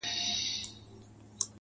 هغه د بل د كور ډېوه جوړه ده_